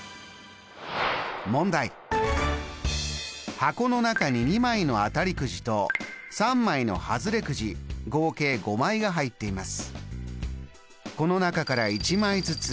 箱の中に２枚の当たりくじと３枚のハズレくじ合計５枚が入っています。